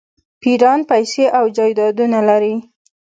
پیران پیسې او جایدادونه لري.